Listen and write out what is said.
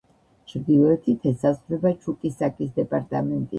ჩრდილოეთით ესაზღვრება ჩუკისაკის დეპარტამენტი.